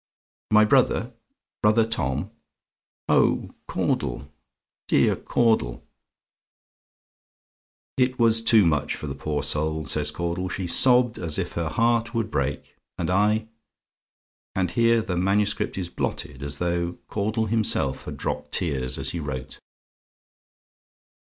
"MY BROTHER? BROTHER TOM? "Oh, Caudle! dear Caudle " "It was too much for the poor soul," says Caudle; "she sobbed as if her heart would break, and I " and here the MS. is blotted, as though Caudle himself had dropped tears as he wrote.